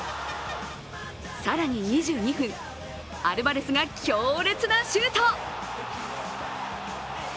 更に２２分、アルバレスが強烈なシュート。